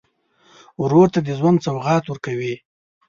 ورور ته د ژوند سوغات ورکوې.